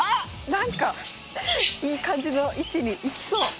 なんかいい感じの位置に行きそう。